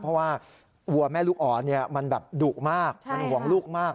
เพราะว่าวัวแม่ลูกอ่อนมันแบบดุมากมันห่วงลูกมาก